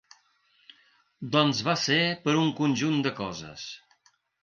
Doncs va ser per un conjunt de coses.